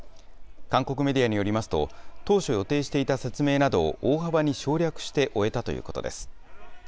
韓国メディアによりますと、当初予定していた説明などを大幅に省略して終えたということです。